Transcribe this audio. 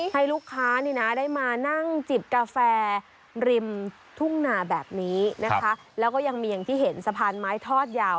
ให้ลูกค้านี่นะได้มานั่งจิบกาแฟริมทุ่งนาแบบนี้นะคะแล้วก็ยังมีอย่างที่เห็นสะพานไม้ทอดยาว